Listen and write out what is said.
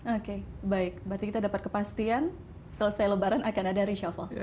oke baik berarti kita dapat kepastian selesai lebaran akan ada reshuffle